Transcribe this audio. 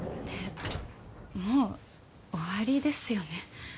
もう終わりですよね